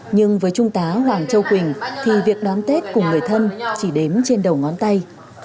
nhưng với trung tá hoàng châu quỳnh thì việc đón tết cùng người thân chỉ đếm trên đầu ngón tay